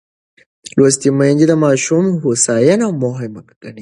لوستې میندې د ماشوم هوساینه مهمه ګڼي.